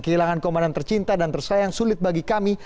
kehilangan komandan tercinta dan tersayang sulit bagi kami